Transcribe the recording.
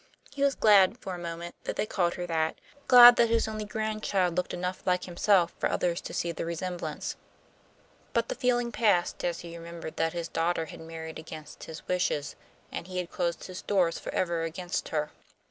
He was glad, for a moment, that they called her that; glad that his only grandchild looked enough like himself for others to see the resemblance. But the feeling passed as he remembered that his daughter had married against his wishes, and he had closed his doors for ever against her.